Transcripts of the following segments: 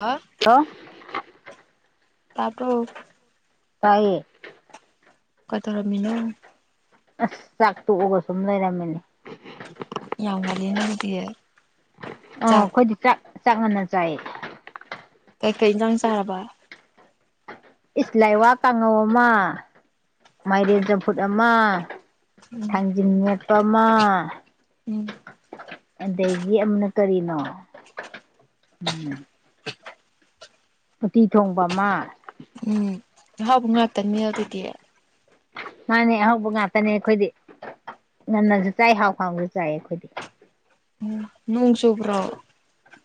ꯍꯥꯥ ꯊꯣ [unintelligible] ꯇꯕ꯭ꯔꯣ ꯇꯥꯏꯌꯦ ꯀꯥꯏ ꯇꯧꯔꯝꯃꯤꯅꯣ ꯑꯁ ꯆꯥꯛ ꯇꯣꯛꯑꯒ ꯁꯨꯝ ꯂꯩꯔꯝꯃꯤꯅꯦ ꯌꯥꯝ ꯉꯂꯦ ꯅꯪꯗꯤꯌꯦ ꯑ ꯑꯩꯈꯣꯏꯗꯤ ꯆꯥꯛ ꯆꯥꯛ ꯉꯟꯅ ꯆꯥꯏꯌꯦ ꯀꯩꯀꯩ ꯌꯦꯟꯖꯥꯡ ꯆꯥꯔꯕ ꯏꯁꯂꯥꯏ ꯋꯥ ꯀꯥꯡꯉꯧ ꯑꯃ ꯃꯥꯏꯔꯦꯟ ꯆꯝꯐꯨꯠ ꯑꯃ ꯎꯝ ꯊꯥꯡꯖꯤꯟ ꯃꯦꯠꯄ ꯑꯃ ꯎꯝ ꯑꯗꯒꯤ ꯑꯃꯅ ꯀꯔꯤꯅꯣ ꯎꯝ ꯎꯇꯤ ꯊꯣꯡꯕ ꯑꯃ ꯎꯝ ꯂꯩꯍꯥꯎꯕ ꯉꯥꯛꯇꯅꯤ ꯑꯗꯨꯗꯤ ꯉꯅꯦ ꯑꯍꯧꯕ ꯉꯥꯛꯇꯅꯦ ꯑꯩꯈꯣꯏꯗꯤ ꯉꯟꯅꯁꯨ ꯆꯥꯏ ꯍꯥꯎ ꯈꯥꯡꯕꯁꯨ ꯆꯥꯏ ꯑꯩꯈꯣꯏꯗꯤ ꯎꯝ ꯅꯣꯡ ꯆꯨꯕꯔꯣ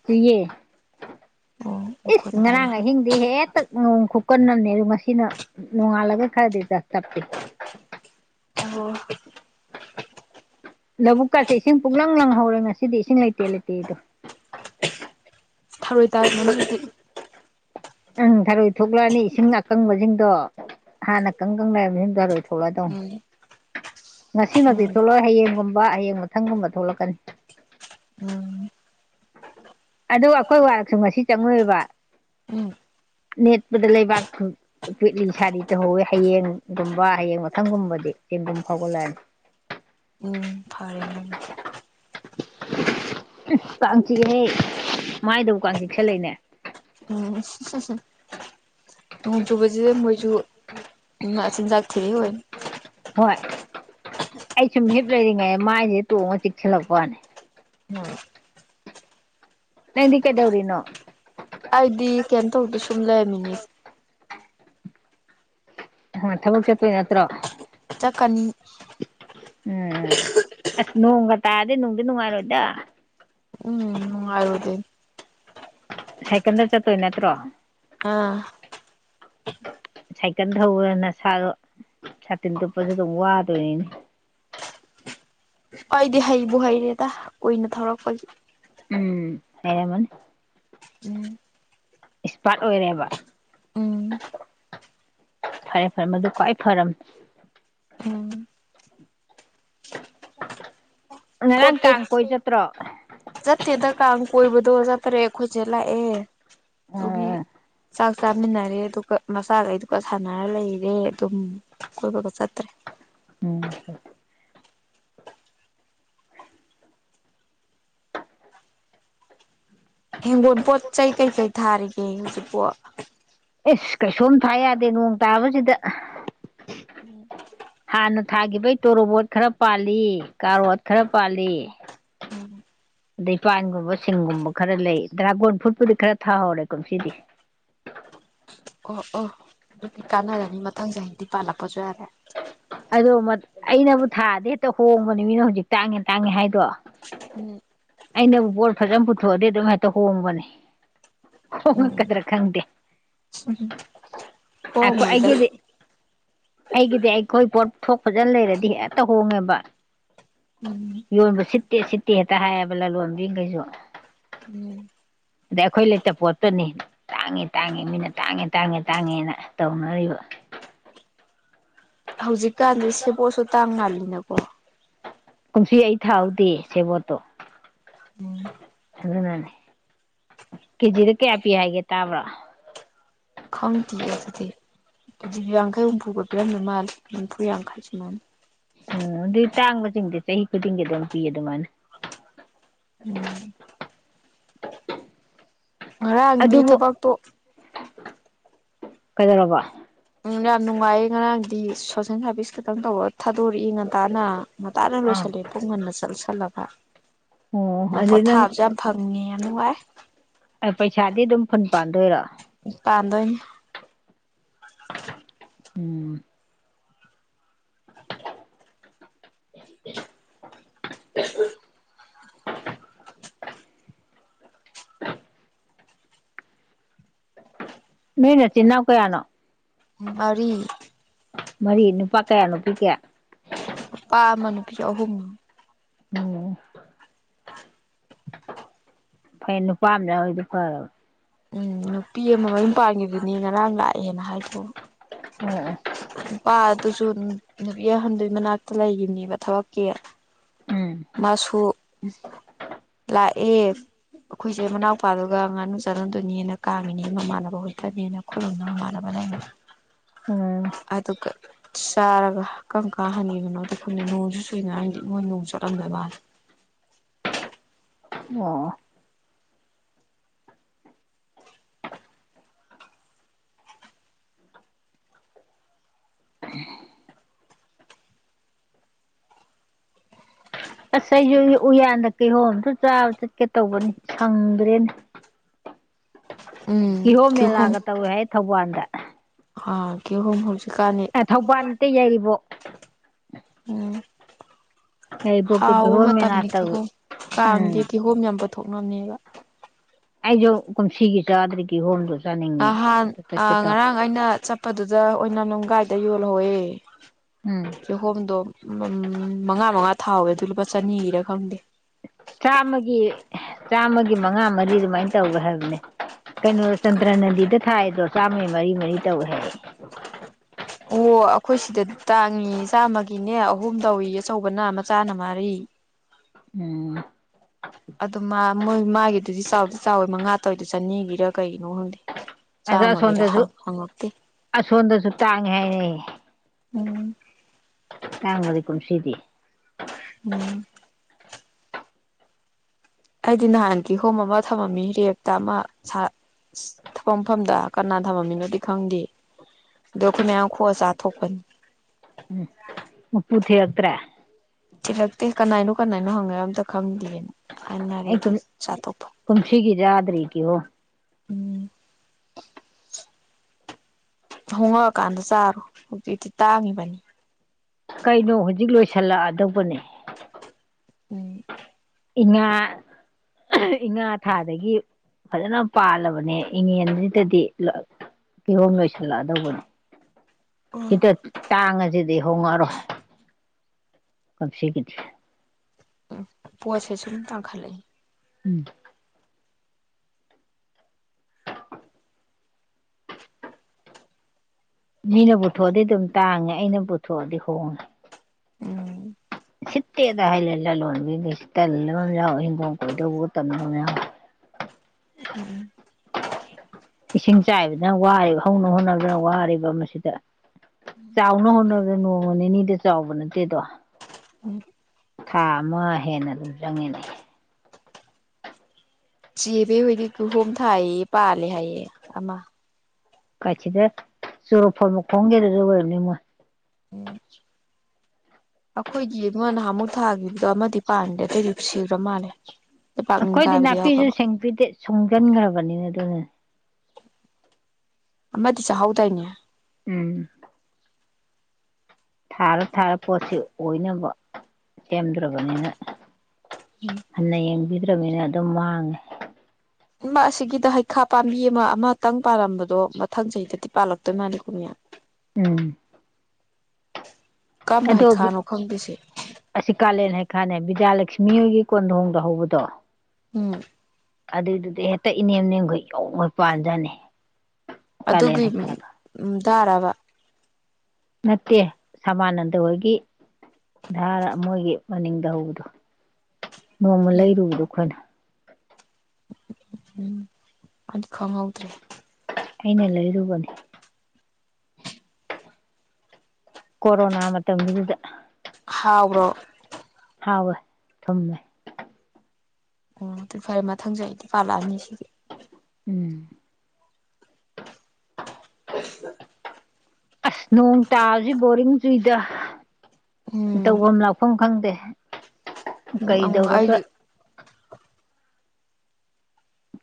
ꯆꯨꯏꯌꯦ ꯑꯣ ꯏꯁ ꯃꯈꯣꯟ ꯉꯔꯥꯡ ꯇꯥꯏꯌꯦꯕ ꯑꯍꯤꯡ ꯗꯤ ꯍꯦꯛꯇ ꯅꯣꯡ ꯈꯨꯀꯟꯅꯅꯦ ꯑꯣ ꯉꯁꯤꯅ ꯅꯣꯡꯉꯥꯜꯂꯒ ꯈꯔꯗꯤ ꯆꯞꯄꯤ ꯑꯣ ꯂꯧꯕꯕꯨꯛꯀꯥꯁꯦ ꯏꯁꯤꯡ ꯄꯨꯛꯂꯪ ꯂꯪꯍꯧꯔꯣꯏ ꯉꯁꯤꯗꯤ ꯏꯁꯤꯡ ꯂꯩꯇꯦ ꯂꯩꯇꯦꯗꯣ ꯊꯔꯣꯏ ꯇꯥꯏ ꯃ ꯎꯪ ꯊꯔꯣꯏ ꯊꯣꯛꯂꯛꯑꯅꯤ ꯏꯁꯤꯡ ꯑꯀꯪꯕꯁꯤꯡꯗꯣ ꯍꯥꯟꯅ ꯀꯪ ꯀꯪꯅ ꯍꯨꯝꯖꯔꯣꯏ ꯊꯣꯛꯂ ꯑꯗꯨꯧ [unintelligible] ꯎꯝ ꯉꯁꯤꯃꯛꯇꯤ ꯎꯝ ꯊꯣꯛꯂꯛꯑꯣ ꯍꯌꯦꯡꯒꯨꯝꯕ ꯍꯌꯦꯡ ꯃꯊꯪꯒꯨꯝꯕ ꯊꯣꯛꯂꯛꯀꯅꯤ ꯎꯝ ꯑꯗꯨ ꯑꯩꯈꯣꯏ ꯋꯥꯔꯁꯨ ꯉꯁꯤ ꯆꯪꯉꯨꯏꯕ ꯎꯝ ꯅꯦꯠꯄꯗ ꯂꯩꯕꯥꯛ ꯄꯤꯠꯂꯤ ꯁꯥꯥꯗꯤ ꯇꯧꯍꯧꯋꯤ ꯍꯌꯦꯡꯒꯨꯝꯕ ꯍꯌꯦꯡ ꯃꯊꯪꯒꯨꯝꯕꯗꯤ ꯆꯦꯟꯗꯨꯝ ꯐꯥꯎꯒꯠꯂꯛꯑꯅꯤ ꯎꯝ ꯐꯔꯦ ꯎꯝ ꯀꯥꯡꯆꯤꯛ ꯍꯦꯛ ꯃꯥꯏꯗꯕꯨ ꯀꯥꯡ ꯆꯤꯛ ꯁꯦꯠꯂꯛꯏꯅꯦ ꯎꯝꯁ ꯅꯣꯡ ꯆꯨꯕꯁꯤꯗ ꯃꯣꯏꯁꯨ ꯃꯆꯤꯟꯖꯥꯛ ꯊꯤꯔ ꯍꯣꯏ ꯍꯣꯏ ꯑꯩ ꯁꯨꯝ ꯍꯤꯞ ꯂꯩꯔꯤꯉꯩ ꯃꯥꯏꯁꯦ ꯇꯣꯡꯉ ꯆꯤꯛꯁꯤꯜꯂꯛꯄꯅꯦ ꯎꯝ ꯅꯩꯗꯤ ꯀꯩꯗꯧꯔꯤꯅꯣ ꯑꯩꯗꯤ ꯀꯩꯅ ꯇꯧꯗꯗꯤ ꯁꯨꯝ ꯂꯩꯔꯝꯃꯤꯅꯦ ꯊꯕꯛ ꯆꯠꯇꯣꯏ ꯅꯠꯇ꯭ꯔꯣ ꯆꯥꯀꯅꯤ ꯎꯝ ꯑꯁ ꯅꯣꯡꯒ ꯇꯥꯔꯗꯤ ꯅꯨꯡꯗꯤ ꯅꯨꯡꯉꯥꯏꯔꯣꯏꯗ ꯎꯝ ꯎ ꯍꯥꯏꯗꯤ ꯁꯥꯏꯀꯜꯗ ꯆꯠꯇꯣꯏ ꯅꯠꯇ꯭ꯔꯣ ꯑꯥ ꯁꯥꯏꯀꯜ ꯊꯧꯕꯅ ꯁꯥ ꯁꯥꯇꯤꯟ ꯇꯨꯞꯄꯁꯨ ꯑꯗꯨꯝ ꯋꯥꯗꯣꯏꯅꯤꯅꯦ ꯑꯩꯗꯤ ꯍꯩꯕꯨ ꯍꯩꯔꯦꯗ ꯀꯨꯏꯅ ꯊꯧꯔꯛꯄꯒꯤ ꯎꯝ ꯍꯩꯔꯝꯃꯅꯤ ꯎꯝ ꯑꯦꯛꯁꯄꯥꯔꯠ ꯑꯣꯏꯔꯦꯕ ꯎꯝ ꯐꯔꯦ ꯐꯔꯦ ꯃꯗꯨ ꯈ꯭ꯋꯥꯏ ꯐꯔꯝꯅꯤ ꯎꯝ ꯉꯔꯥꯡ ꯀꯥꯡ ꯀꯣꯏ ꯆꯠꯇ꯭ꯔꯣ ꯆꯠꯇꯦ ꯗꯔꯀꯥ ꯀꯣꯏꯕꯗꯣ ꯆꯠꯇꯔꯦ ꯑꯩꯈꯣꯏꯁꯦ ꯂꯥꯛꯑꯦ ꯑꯗꯨꯒꯤ ꯎꯝ ꯆꯥꯛ ꯆꯥꯃꯤꯟꯅꯔꯦ ꯑꯗꯨꯒ ꯃꯆꯥꯒꯩꯗꯨꯒ ꯁꯥꯟꯅꯔ ꯂꯩꯔꯦ ꯑꯗꯨꯝ ꯀꯣꯏꯕꯒ ꯆꯠꯇ꯭ꯔꯦ ꯎꯝ ꯍꯦꯡꯒꯣꯜ ꯄꯣꯠ ꯆꯩ ꯀꯩꯀꯩ ꯊꯥꯔꯤꯒꯦ ꯍꯧꯖꯤꯛꯄꯣ ꯏꯁ ꯀꯩꯁꯨꯝ ꯊꯥ ꯌꯥꯗꯦ ꯅꯣꯡ ꯇꯥꯕꯁꯤꯗ [unintelligible] ꯍꯥꯟꯅ ꯊꯥꯈꯤꯕꯩ ꯇꯣꯔꯣꯕꯣꯠ ꯈꯔ ꯄꯥꯜꯂꯤ ꯀꯥꯔꯣꯠ ꯈꯔ ꯄꯥꯜꯂꯤ ꯑꯗꯩ ꯄꯥꯟꯒꯨꯝꯕ ꯁꯤꯡꯒꯨꯝꯕ ꯈꯔ ꯂꯩ ꯗ꯭ꯔꯥꯒꯣꯟ ꯐ꯭ꯔꯨꯠꯄꯨꯗꯤ ꯈꯔ ꯊꯥꯍꯧꯔꯦ ꯀꯨꯝꯁꯤꯗꯤ ꯑꯣ ꯑꯣ ꯑꯗꯨꯒꯤ ꯀꯥꯟꯅꯔꯅꯤ ꯃꯊꯪ ꯆꯍꯤꯗꯤ ꯄꯥꯜꯂꯛꯄꯁꯨ ꯌꯥꯔꯦ ꯑꯗꯣ ꯑꯩꯅꯕꯨ ꯊꯥꯗꯤ ꯍꯦꯛꯇ ꯍꯣꯡꯕꯅꯦ ꯃꯤꯅ ꯍꯧꯖꯤꯛ ꯇꯥꯡꯉꯦ ꯇꯥꯡꯉꯦ ꯍꯥꯏꯗꯣ [unintelligible] ꯑꯩꯅꯕꯨ ꯄꯕꯣꯠ ꯐꯖꯅ ꯄꯨꯊꯣꯛꯑꯗꯤ ꯑꯗꯨꯝꯥꯏꯅ ꯍꯣꯡꯕꯅꯦ ꯎꯝ ꯍꯣꯉꯛꯀꯗ꯭ꯔ ꯈꯪꯗꯦ ꯎꯝ ꯑꯈꯣ ꯍꯣꯡꯉꯣꯏꯗ ꯑꯩꯒꯗꯤ ꯑꯩꯗꯤ ꯑꯩꯈꯣꯏ ꯄꯣꯠ ꯊꯣꯛ ꯐꯖꯅ ꯂꯩꯔꯗꯤ ꯍꯦꯛꯇ ꯍꯣꯡꯉꯦꯕ ꯎꯝ ꯌꯣꯟꯕ ꯁꯤꯠꯇꯦ ꯁꯤꯠꯇꯦ ꯍꯦꯛꯇ ꯍꯥꯏꯌꯦꯕ ꯂꯂꯣꯟꯕꯤꯈꯩꯁꯨ ꯎꯝ ꯑꯗꯩ ꯑꯩꯈꯣꯏ ꯂꯩꯇ ꯄꯣꯠꯇꯨꯅꯤ ꯇꯥꯡꯉꯦ ꯇꯥꯡꯉꯦ ꯃꯤꯅ ꯇꯥꯡꯉꯦ ꯇꯥꯡꯉꯦ ꯇꯥꯡꯉꯦꯅ ꯇꯧꯅꯔꯤꯕ ꯍꯧꯖꯤꯛꯀꯥꯟꯗꯤ ꯁꯦꯕꯣꯠꯁꯨ ꯇꯥꯡ ꯃꯥꯜꯂꯤꯅꯀꯣ ꯀꯨꯝꯁꯤ ꯑꯩ ꯊꯥꯍꯧꯗꯦ ꯁꯦꯕꯣꯠꯇꯣ ꯑꯗꯨꯅꯅꯦ ꯀꯦꯖꯤꯗ ꯀꯌꯥ ꯄꯤ ꯍꯥꯏꯒꯦ ꯇꯥꯕ꯭ꯔꯣ ꯈꯪꯗꯦ ꯑꯗꯨꯗꯤ ꯑꯗꯨꯗꯤ ꯌꯥꯡꯈꯩ ꯍꯨꯝꯐꯨꯒ ꯄꯤꯔꯝꯗ ꯃꯥꯜꯂꯦ ꯍꯨꯝꯐꯨ ꯌꯥꯡꯈꯩ ꯁꯨꯃꯜꯅ ꯎꯝ ꯑꯗꯨꯏ ꯇꯥꯡꯕꯆꯤꯡꯗꯦ ꯆꯍꯤ ꯈꯨꯗꯤꯡꯒꯤ ꯑꯗꯨꯝ ꯄꯤ ꯑꯗꯨꯃꯥꯏꯅ ꯎꯝ ꯉꯔꯥꯡꯗꯤ ꯑꯗꯨꯕꯨ ꯊꯕꯛꯇꯣ ꯀꯩꯗꯧꯔꯕ ꯎꯝ ꯌꯥꯝ ꯅꯨꯡꯉꯥꯏꯌꯦ ꯉꯔꯥꯡꯗꯤ ꯁꯣꯁꯦꯜ ꯁꯥꯔꯚꯤꯁ ꯈꯈꯤꯇꯪ ꯇꯧꯕ ꯊꯥꯗꯣꯔꯛꯏ ꯉꯟꯇꯥꯅ ꯉꯥꯅ ꯑꯥ ꯂꯣꯏꯁꯤꯜꯂꯦ ꯄꯨꯡ ꯍꯟꯅ ꯆꯠꯁꯜꯂꯒ ꯑꯣ ꯑꯗꯨ ꯅꯪ ꯄꯣꯊꯥꯕꯁꯨ ꯌꯥꯝ ꯐꯪꯉꯦ ꯌꯥꯝ ꯅꯨꯡꯉꯥꯏ ꯄꯩꯁꯥꯗꯤ ꯑꯗꯨꯝ ꯐꯨꯟ ꯄꯥꯟꯗꯣꯏꯔꯣ ꯄꯥꯟꯗꯣꯏꯅꯦ ꯎꯝ [unintelligible] ꯅꯣꯏ ꯅꯆꯤꯟ ꯅꯥꯎ ꯀꯌꯥꯅꯣ ꯃꯔꯤ ꯃꯔꯤ ꯅꯨꯄꯥ ꯀꯌꯥ ꯅꯨꯄꯤ ꯀꯌꯥ ꯄꯥ ꯑꯃ ꯅꯨꯄꯤ ꯑꯍꯨꯝ ꯑꯣꯝ ꯐꯩ ꯅꯨꯄꯥ ꯑꯃ ꯌꯥ ꯍꯣꯏꯗꯤ ꯐꯔꯕ ꯎꯝ ꯅꯨꯄꯤ ꯑꯃ ꯃꯌꯨꯝ ꯄꯥꯟꯈꯤꯕꯗꯨꯅꯤ ꯉꯔꯥꯡ ꯂꯥꯛꯑꯦꯅ ꯍꯥꯏꯗꯣꯛꯑꯣ [unintelligible] ꯅꯨꯄꯥ ꯑꯗꯨꯁꯨ ꯅꯨꯄꯤ ꯑꯍꯟꯗꯨꯏ ꯃꯅꯥꯛꯇ ꯂꯩꯈꯤꯕꯅꯦꯕ ꯊꯕꯛꯀꯤ ꯑꯣ ꯎꯝ ꯃꯥꯁꯨ ꯂꯥꯛꯑꯦ ꯑꯩꯈꯣꯏꯁꯦ ꯃꯅꯥꯎꯄꯥꯗꯨꯒ ꯉꯥꯅꯨ ꯆꯥꯅꯝꯗꯣꯏꯅꯦꯅ ꯀꯥꯡꯉꯤꯅꯦ ꯃꯃꯥꯟꯅꯕ ꯍꯣꯏꯇꯅꯦꯅ ꯈꯣꯏꯂꯣꯝꯅ ꯃꯃꯥꯟꯅꯕ ꯂꯩꯕꯗ ꯎꯝ ꯑꯗꯨꯀ ꯆꯥꯔꯒ ꯀꯪ ꯀꯥ ꯍꯅꯤꯕꯅꯣ ꯈꯪꯗꯦ ꯅꯣꯡꯁꯨ ꯁꯨꯏꯅ ꯍꯥꯏꯗꯤ ꯃꯣꯏ ꯅꯣꯡ ꯆꯠꯂꯝꯗꯣꯏ ꯃꯥꯂꯦ ꯑꯣ ꯑꯁ ꯑꯩꯁꯨ ꯎꯌꯥꯟꯗ ꯀꯩꯍꯣꯝꯇ ꯆꯥꯕ ꯆꯠꯀꯦ ꯇꯧꯕꯅꯤ ꯁꯪꯗ꯭ꯔꯦꯅ ꯎꯝ ꯀꯤꯍꯣꯝ ꯃꯦꯂꯥꯒ ꯇꯧꯋꯦ ꯍꯥꯏ ꯊꯧꯕꯥꯜꯗ ꯑ ꯀꯤꯍꯣꯝ ꯍꯧꯖꯤꯛꯀꯥꯟꯅꯤ ꯊꯧꯕꯥꯜ ꯅꯠꯇ ꯌꯥꯏꯔꯤꯄꯣꯛ ꯎꯝ ꯌꯥꯏꯔꯤꯄꯣꯛꯇ ꯍꯥꯎꯕ ꯀꯤꯍꯣꯝ ꯃꯦꯂꯥ ꯃꯇꯝꯅꯤ ꯇꯧꯋꯤ ꯀꯤꯍꯣꯝ ꯀꯥꯡꯗꯤ ꯎꯝ ꯀꯤꯍꯣꯝ ꯌꯥꯝ ꯄꯨꯊꯣꯛꯅꯕꯅꯦꯕ ꯑꯩꯁꯨ ꯀꯨꯝꯁꯤꯒꯤ ꯆꯥꯗꯔꯤ ꯀꯤꯍꯣꯝꯗꯣ ꯆꯥꯅꯤꯡꯉꯦ ꯅꯍꯥꯟ ꯑꯗꯨ ꯆꯠꯀꯦ ꯇꯧ ꯑꯉꯔꯥꯡ ꯑꯩꯅ ꯆꯠꯄꯗꯨꯗ ꯑꯣꯏꯅ ꯂꯝ ꯒꯥꯥꯏꯗ ꯌꯣꯜꯍꯧꯋꯦ ꯎꯝ ꯀꯤꯍꯣꯝꯗꯣ ꯃꯉꯥ ꯃꯉꯥ ꯊꯥꯍꯧꯋꯦ ꯑꯗꯨ ꯂꯨꯄꯥ ꯆꯅꯤꯒꯤꯔ ꯈꯪꯗꯦ ꯆꯥꯝꯃꯒꯤ ꯆꯥꯝꯃꯒꯤ ꯃꯉꯥ ꯃꯔꯤ ꯑꯗꯨꯃꯥꯏꯅ ꯇꯧꯋꯦ ꯍꯥꯏꯕꯅꯦ ꯀꯩꯅꯣ ꯆꯥꯟꯇ꯭ꯔ ꯅꯟꯗꯤꯗ ꯊꯥꯏꯗꯣ ꯆꯥꯝꯃ ꯃꯔꯤ ꯃꯔꯤ ꯇꯧꯋꯦ ꯍꯥꯏꯌꯦ ꯑꯣ ꯑꯩꯈꯣꯏ ꯁꯤꯗ ꯇꯥꯡꯏꯤ ꯆꯥꯝꯃꯒꯤꯅꯦ ꯑꯍꯨꯝ ꯇꯧꯏ ꯑꯆꯧꯕꯅ ꯃꯆꯥꯅ ꯃꯥꯔꯤ ꯎꯝ ꯑꯗꯨ ꯃꯥ ꯃꯣꯏ ꯃꯥꯒꯤꯗꯨꯗꯤ ꯆꯥꯎꯗꯤ ꯆꯥꯎꯋꯤ ꯃꯉꯥ ꯇꯧꯋꯏꯗꫭ ꯆꯅꯤꯒꯤꯔ ꯀꯩꯒꯤꯅꯣ ꯈꯪꯗꯦ ꯑꯗ ꯆꯥꯝꯃꯒꯤꯔ ꯑꯁꯣꯝꯗꯁꯨ ꯍꯪꯉꯛꯇꯦ ꯑꯁꯣꯝꯗꯁꯨ ꯇꯥꯡꯉꯦ ꯍꯥꯏꯔꯦ ꯎꯝ ꯇꯥꯡꯕꯅꯦ ꯀꯨꯝꯁꯤꯗꯤ ꯎꯝ ꯑꯩꯗꯤ ꯅꯍꯥꯟ ꯀꯤꯍꯣꯝ ꯑꯃ ꯊꯝꯃꯝꯃꯤ ꯔꯦꯛꯇ ꯑꯃ ꯊꯕꯛ ꯃꯐꯝꯗ ꯀꯅꯥ ꯊꯝꯃꯝꯃꯤꯅꯣꯗꯤ ꯈꯪꯗꯦ ꯑꯗꯣ ꯑꯩꯈꯣꯏ ꯃꯌꯥꯝ ꯈꯣꯛꯑ ꯆꯥꯊꯣꯛꯄꯅꯤ ꯃꯄꯨ ꯊꯤꯔꯛꯇ꯭ꯔꯦ ꯊꯤꯔꯛꯇꯦ ꯀꯅꯥꯏꯅꯣ ꯀꯅꯥꯏꯅꯣ ꯍꯪꯉꯦ ꯑꯝꯇ ꯈꯪꯗꯦꯅ ꯍꯥꯏꯅꯔꯦ ꯑꯩ ꯑꯗꯨ ꯆꯥꯊꯣꯛꯄ ꯀꯨꯝꯁꯤꯒꯤ ꯆꯥꯗ꯭ꯔꯤ ꯀꯤꯍꯣꯝ ꯎꯝ ꯍꯣꯡꯉꯛꯑꯀꯥꯟꯗ ꯆꯥꯔꯣ ꯍꯧꯖꯤꯛꯇꯤ ꯇꯥꯡꯉꯤꯕꯅꯤ ꯀꯩꯅꯣ ꯍꯧꯖꯤꯛ ꯂꯣꯏꯁꯜꯂꯛꯑꯗꯧꯕꯅꯦ ꯎꯝ ꯏꯉꯥ ꯏꯉꯥ ꯊꯥꯗꯒꯤ ꯐꯖꯅ ꯄꯥꯜꯂꯕꯅꯦ ꯏꯉꯦꯟꯁꯤꯗꯗꯤ ꯀꯤꯍꯣꯝ ꯂꯣꯏꯁꯤꯜꯂꯛꯑꯗꯧꯕꯅꯤ ꯎꯝ ꯁꯤꯗ ꯇꯥꯡꯉꯁꯤꯗꯤ ꯍꯣꯡꯉꯔꯣꯏ ꯀꯨꯝꯁꯤꯒꯤꯗꯤ ꯎꯝ ꯄꯣꯠꯁꯦ ꯁꯨꯝ ꯇꯥꯡꯈꯠꯂꯛꯏ ꯎꯝ ꯃꯤꯅ ꯄꯨꯊꯣꯛꯑꯗꯤ ꯑꯗꯨꯝ ꯇꯥꯡꯉꯦ ꯑꯩꯅ ꯄꯨꯊꯣꯛꯑꯗꯤ ꯍꯣꯡꯉꯦ ꯎꯝ ꯑꯨꯁꯤꯠꯇꯦꯗ ꯍꯥꯏꯂꯦ ꯂꯂꯣꯟꯕꯤꯈꯥꯏꯁꯦ ꯇꯜ ꯑꯃ ꯌꯥꯎ ꯍꯤꯡꯒꯣꯡ ꯀꯣꯏꯗꯧꯕ ꯇꯟꯕ ꯑꯃ ꯌꯥꯎꯋꯦ ꯎꯝ ꯏꯁꯤꯡ ꯆꯥꯏꯕꯗꯅ ꯋꯥꯔꯤꯕ ꯍꯧꯅ ꯍꯣꯠꯅꯕꯅ ꯋꯥꯔꯤꯕ ꯃꯁꯤꯗ ꯆꯥꯎꯅ ꯍꯣꯠꯅꯕ ꯑꯗꯨ ꯅꯣꯡꯃ ꯅꯤꯅꯤꯗ ꯆꯥꯎꯕ ꯅꯠꯇꯦꯗꯣ ꯎꯝ ꯊꯥ ꯑꯃ ꯍꯦꯟꯅ ꯑꯗꯨꯝ ꯆꯪꯉꯤꯅꯤ ꯆꯦ ꯕꯦ ꯍꫭꯏꯗꯤ ꯀꯨꯍꯣꯝ ꯊꯥꯏꯌꯦ ꯄꯥꯜꯂꯦ ꯍꯥꯏꯌꯦ ꯑꯃ ꯀꯥꯏꯆꯤꯟꯗ ꯆꯨꯔꯨ ꯐꫭꯟ ꯃꯈꯣꯡꯁꯤꯗ ꯑꯣꯏꯔꯅꯤ ꯃꫭꯏ ꯎꯝ ꯑꯩꯈꯣꯏꯗꯤ ꯑꯃ ꯅꯍꯥꯃꯨꯛ ꯊꯥꯈꯤꯕꯗꯣ ꯑꯃꯗꯤ ꯄꯥꯟꯒꯔꯦ ꯑꯇꯩꯗꯤ ꯁꯤꯈ꯭ꯔ ꯃꯥꯜꯂꯦ ꯂꯩꯄꯥꯛꯅꯤꯡ ꯑꯩꯈꯣꯏꯗꯤ ꯀꯥꯏꯕꯗꯤ ꯅꯥꯄꯤꯁꯨ ꯌꯥꯎꯈ꯭ꯔꯕ ꯁꯦꯡꯕꯤꯗꯦ ꯁꯨꯡꯖꯤꯟꯈ꯭ꯔꯕꯅꯤꯅꯦ ꯑꯗꯨꯅ ꯑꯃꯗꯤ ꯆꯥꯍꯧꯗꯥꯏꯅꯦ ꯎꯝ ꯊꯥꯔꫭ ꯊꯥꯔꫭ ꯄꯣꯠꯁꯤ ꯑꯣꯏꯅꯕ ꯁꯦꯝꯗ꯭ꯔꯕꯅꯤꯅ ꯎꯝ꯫ ꯍꯟꯅ ꯌꯦꯡꯕꯤꯗ꯭ꯔꯕꯅꯤꯅ ꯑꯗꯨꯝ ꯃꯥꯡꯉꯦ꯫ ꯏꯃꯥ ꯑꯁꯤꯒꯤꯗ ꯍꯩꯈꯥ ꯄꯥꯝꯕꯤ ꯑꯃ ꯑꯃꯇꯪ ꯄꯥꯜꯂꯝꯕꯗꯣ ꯃꯊꯪ ꯆꯍꯤꯗꯗꯤ ꯄꯥꯜꯂꯛꯇꯣꯏ ꯃꯥꯂꯀꯣ ꯃꯌꯥꯝ꯫ ꯎꯝ꯫ ꯀꯔꯝꯕ ꯑꯗꯣ ꯍꯩꯈꯥꯅꯣ ꯈꯪꯗꯦꯁꯦ꯫ ꯑꯁꯤ ꯀꯥꯂꯦꯟ ꯍꯩꯈꯥꯅꯦ ꯕꯤꯗ꯭ꯌꯥꯂꯛꯁꯃꯤꯍꯣꯏꯒꯤ ꯀꯣꯟꯗꯣꯡꯗ ꯍꯧꯕꯗꯣ ꯎꯝ꯫ ꯑꯗꯨꯏꯗꯨꯗꯤ ꯍꯦꯛꯇ ꯏꯅꯦꯝ ꯅꯦꯝꯈ ꯌꯣꯝꯒꯩ ꯄꯥꯟ ꯖꯥꯅꯤ꯫ ꯑꯗꯨꯒꯤ ꯗꯥꯔꯔꯕ꯫ ꯅꯠꯇꯦ ꯁꯃꯥꯅꯟꯗ ꯍꯣꯏꯒꯤ ꯙꯥꯔ ꯃꯣꯏꯒꯤ ꯃꯅꯤꯡꯗ ꯍꯧꯕꯗꯣ ꯅꯣꯡꯃ ꯎꯝ ꯂꯩꯔꯨꯕꯗꯣ ꯑꯩꯈꯣꯏꯅ꯫ ꯎꯝ ꯑꯗꯨ ꯈꯪꯍꯧꯗ꯭ꯔꯦ꯫ ꯑꯩꯅ ꯂꯩꯔꯨꯕꯅꯦ꯫ ꯀꯣꯔꯔꯣꯅꯥ ꯃꯇꯝꯗꯨꯗꯨꯗ꯫ ꯍꯥꯎꯕ꯭ꯔꯣ꯫ ꯍꯥꯎꯋꯦ ꯊꯝꯃꯦ꯫ ꯑꯣ ꯑꯗꯨ ꯈꯔ ꯃꯊꯪ ꯆꯍꯤꯗꯗꯤ ꯄꯥꯜꯂꯛꯑꯅꯤ ꯁꯤꯗꯤ꯫ ꯎꯝ꯫ ꯑꯁ ꯅꯣꯡ ꯇꯥꯕꯁꯤ ꯕꯣꯔꯤꯡ ꯆꯨꯏꯗ꯫ ꯎꯝ꯫ ꯇꯧꯕꯝ ꯂꯥꯛꯐꯝ ꯈꯪꯗꯦ ꯎꯝ ꯀꯩꯗꯧꯔꯒ ꯑꯩꯁꯨ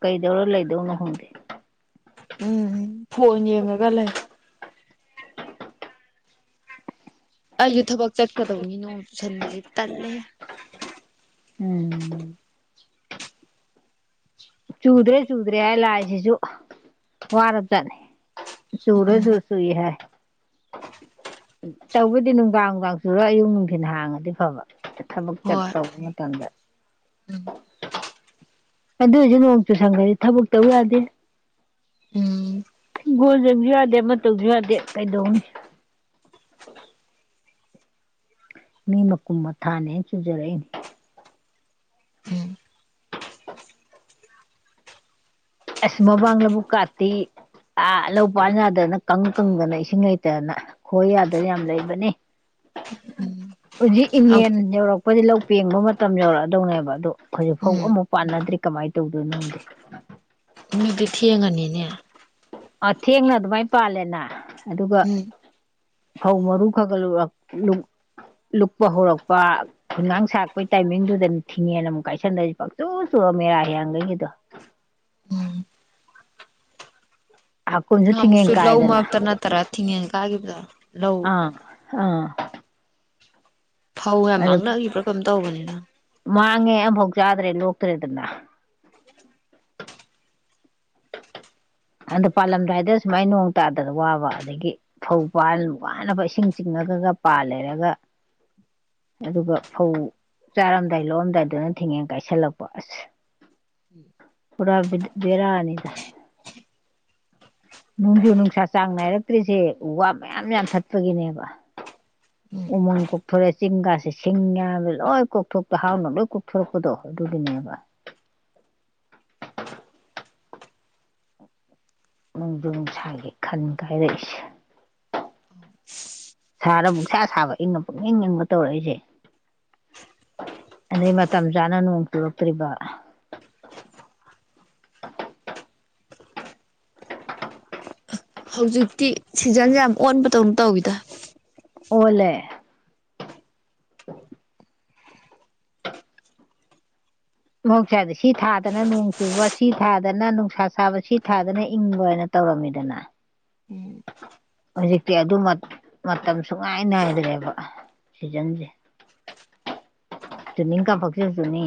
ꯀꯩꯗꯧꯔ ꯂꯩꯗꯣꯏꯅꯣ ꯈꯪꯗꯦ꯫ ꯎꯝ ꯐꯣꯟ ꯌꯦꯡꯉꯒ ꯂꯩ꯫ ꯑꯩꯖꯤ ꯊꯕꯛ ꯆꯠꯀꯗꯧꯃꯤ ꯅꯣꯡ ꯆꯨꯁꯟꯕꯁꯤ ꯇꯜꯂꯦꯍꯦ꯫ ꯎꯝ꯫ ꯆꯨꯗ꯭ꯔꯦ ꯆꯨꯗ꯭ꯔꯦ ꯍꯥꯏ ꯂꯥꯢꯖꯤꯁꯨ ꯋꯥꯔꯕ ꯖꯥꯠꯅꯤ ꯆꯨꯔ ꯆꯨ ꯆꯨꯏ ꯍꯥꯏ꯫ ꯇꯧꯕꯗꯤ ꯅꯨꯡꯗꯥꯡ ꯅꯨꯡꯗꯥꯡ ꯆꯨꯔꯒ ꯑꯌꯨꯛ ꯅꯨꯡꯊꯤꯟ ꯍꯥꯡꯉꯗꯤ ꯐꯕ ꯊꯕꯛ ꯆꯠ ꯍꯣꯏ ꯇꯧꯕ ꯃꯇꯝꯗ꯫ ꯎꯝ꯫ ꯑꯗꯨ ꯑꯣꯏꯁꯨ ꯅꯣꯡ ꯆꯨꯁꯟꯈ꯭ꯔꯗꯤ ꯊꯕꯛ ꯇꯧ ꯌꯥꯗꯦ꯫ ꯎꯝ ꯍꯤꯡꯒꯣꯜ ꯌꯦꯡꯕꯖꯨ ꯌꯥꯗꯦ ꯑꯃ ꯇꯧꯕꯁꯨ ꯌꯥꯗꯦ ꯀꯩꯗꯧꯅꯤ꯫ ꯃꯤ ꯃꯀꯨꯝ ꯃꯊꯥꯅꯦꯅ ꯆꯨꯖꯔꯛꯏꯅꯤ꯫ ꯎꯝ ꯑꯁ ꯃꯃꯥꯡꯕ ꯂꯕꯨꯛ ꯀꯥꯇꯤ ꯑꯥ ꯂꯧ ꯄꯥꯟ ꯌꯥꯗꯅ ꯀꯪ ꯀꯪꯗꯅ ꯏꯁꯤꯡ ꯍꯩꯇꯗꯅ ꯈꯣꯏ ꯌꯥꯗꯅ ꯌꯥꯝ ꯂꯩꯔꯝꯕꯅꯤ꯫ [unintelligible] ꯎꯝ꯫ ꯍꯧꯖꯤꯛ ꯏꯉꯦꯟ ꯌꯧꯔꯛꯄꯗꯤ ꯂꯧ ꯄꯦꯡꯕ ꯃꯇꯝ ꯌꯧꯔꯛꯑꯗꯧꯅꯦꯕ ꯑꯗꯣ ꯍꯧꯖꯤꯛꯐꯥꯎ ꯎꯝ ꯑꯃꯕꯧ ꯄꯥꯟꯅꯗ꯭ꯔꯔꯤ ꯀꯃꯥꯏꯅ ꯇꯧꯗꯣꯏ ꯅꯣ ꯈꯡꯗꯦ꯫ ꯑꯗꯨꯗꯤ ꯊꯦꯡꯉꯅꯤꯅꯦ꯫ ꯑ ꯊꯦꯡꯅ ꯑꯗꯨꯃꯥꯏꯅ ꯄꯥꯜꯂꯦꯅ ꯑꯗꯨꯒ ꯎꯝ ꯐꯧ ꯃꯔꯨ ꯈꯔꯒ ꯂꯨ ꯂꯨꯞꯄ ꯍꯧꯔꯛꯄ ꯈꯨꯅꯥꯡ ꯁꯥꯛꯄꯒꯤ ꯇꯥꯏꯃꯤꯡꯗꯨꯗ ꯊꯤꯡꯉꯦꯅ ꯑꯃꯨꯛ ꯀꯥꯏꯁꯟꯗꯣꯏꯁꯦ ꯄꯥꯛꯆꯨ ꯆꯨꯔ ꯃꯦꯔꯥ ꯍꯤꯌꯥꯡꯒꯩꯒꯤꯗꯣ꯫ ꯎꯝ ꯍꯥꯀꯨꯝꯁꯨ ꯊꯤꯡꯉꯦꯟ ꯅꯍꯥꯟꯃꯨꯛꯁꯨ ꯂꯧ ꯀꯥꯏꯗꯅ ꯃꯔꯛꯇ ꯅꯠꯇꯔꯥ ꯊꯤꯡꯉꯦꯟ ꯀꯥꯏꯒꯤꯕꯗꯣ ꯂꯧ ꯑꯡ ꯍꯥ꯫ ꯐꯧ ꯌꯥꯝ ꯑꯗꯨ ꯃꯥꯡꯅꯒꯤꯕ꯭ꯔꯥ ꯀꯩꯅꯣꯝ ꯇꯧꯕꯅꯦ [unintelligible] ꯃꯥꯡꯉꯦ ꯑꯃꯝꯕꯥꯎ ꯆꯥꯗ꯭ꯔꯦ ꯂꯣꯛꯇ꯭ꯔꯦꯗꯅ꯫ ꯑꯗꯣ ꯄꯥꯜꯂꯝꯗꯥꯏꯗ ꯁꯨꯃꯥꯏꯅ ꯅꯣꯡ ꯇꯥꯗꯅ ꯋꯥꯕ ꯑꯗꯒꯤ ꯐꯧ ꯄꯥꯜ ꯋꯥꯅꯕ ꯏꯁꯤꯡ ꯆꯤꯡꯉꯒꯒ ꯄꯥꯜꯂꯦꯒ ꯑꯗꯨꯒ ꯐꯧ ꯆꯥꯔꯝꯗꯥꯏ ꯂꯣꯛꯑꯝꯗꯥꯏꯗꯅ ꯊꯦꯡꯉꯦꯟ ꯀꯥꯏꯁꯜꯂꯛꯄ ꯑꯁ ꯄꯨꯔꯥ ꯕꯦꯔꯥꯅꯤꯗ꯫ ꯅꯣꯡꯖꯨ ꯅꯨꯡꯁꯥ ꯆꯥꯡ ꯅꯥꯏꯔꯛꯇ꯭ꯔꯤꯁꯦ ꯎ ꯋꯥ ꯃꯌꯥꯝ ꯌꯥꯝ ꯊꯠꯄꯒꯤꯅꯦꯕ ꯎꯝ ꯎꯃꯪ ꯀꯣꯛꯊꯣꯔꯛꯑꯦ ꯆꯤꯡꯒꯥꯁꯦ ꯁꯤꯡ ꯌꯥꯝꯕꯗ ꯂꯣꯏ ꯀꯣꯛꯊꯣꯛꯄ ꯍꯥꯎꯅ ꯂꯣꯏ ꯀꯣꯛꯊꯣꯔꯛꯄꯗꯣ ꯑꯗꯨꯒꯤꯅꯦꯕ ꯅꯣꯡꯖꯨ ꯅꯨꯡꯁꯥꯒꯤ ꯈꯟ ꯀꯥꯏꯔꯛꯏꯁꯦ ꯁꯥꯔ ꯑꯃꯨꯛꯁꯥ ꯁꯥꯕ ꯏꯪꯉ ꯄꯨꯛ ꯏꯪ ꯏꯪꯉ ꯇꯧꯔꯛꯏꯁꯦ ꯑꯗꯩ ꯃꯇꯝ ꯆꯥꯅ ꯅꯣꯡ ꯆꯨꯔꯛꯇ꯭ꯔꯤꯕ ꯍꯧꯖꯤꯛꯇꯤ ꯁꯤꯖꯟꯁꯦ ꯌꯥꯝ ꯑꯣꯟꯕꯗꯧꯅ ꯇꯧꯋꯤꯗ ꯑꯣꯜꯂꯦ [inaudible] ꯃꯍꯧꯁꯥꯗꯤ ꯁꯤ ꯊꯥꯗꯅ ꯅꯣꯡ ꯆꯨꯕ ꯁꯤ ꯊꯥꯗꯅ ꯅꯨꯡꯁꯥ ꯁꯥꯕ ꯁꯤ ꯊꯥꯗꯅ ꯏꯪꯕꯅ ꯇꯧꯔꯝꯃꯤꯗꯅ ꯎꯝ ꯍꯧꯖꯤꯛꯇꯤ ꯑꯗꯨ ꯃꯇꯝ ꯁꯨꯡꯉꯥꯏꯅꯈ꯭ꯔꯦꯕ ꯁꯤꯖꯟꯁꯦ ꯖꯨꯅꯤꯡ ꯀꯥꯄꯛꯁꯦꯁꯨꯨꯅꯤ